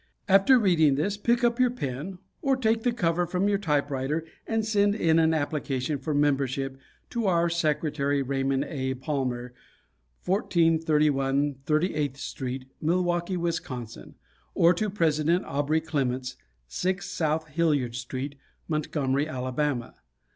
After reading this pick up your pen or take the cover from your typewriter and send in an application for membership to our Secretary, Raymond A. Palmer, 1431 38th St., Milwaukee, Wisconsin, or to our President, Aubrey Clements, 6 South Hillard St., Montgomery, Alabama.